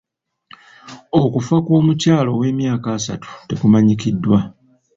Okufa kw'omukyala ow'emyaka asatu tekumanyikiddwa.